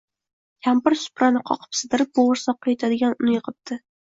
Kampir suprani qoqib-sidirib bo’g’irsoqqa yetadigan un yig’ibdi